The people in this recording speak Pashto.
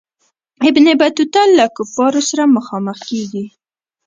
ابن بطوطه له کفارو سره مخامخ کیږي.